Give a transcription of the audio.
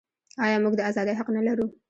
آیا موږ د ازادۍ حق نلرو؟